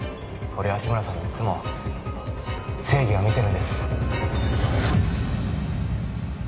俺は志村さんにいつも正義を見てるんです